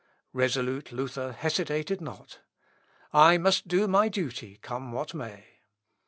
Resolute Luther hesitated not. "I must do my duty come what may."